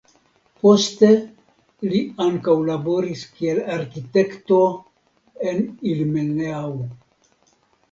Poste li ankaŭ laboris kiel arkitekto en Ilmenau.